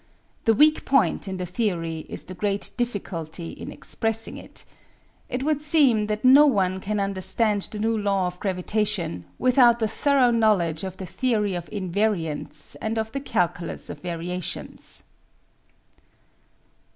The weak point in the theory is the great difficulty in expressing it. It would seem that no one can understand the new law of gravitation without a thorough knowledge of the theory of invariants and of the calculus of variations.